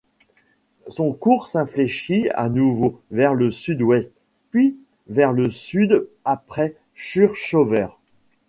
Son cours s'infléchit à nouveau vers le sud-ouest, puis vers le sud après Churchover.